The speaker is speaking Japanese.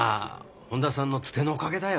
本田さんのツテのおかげだよ。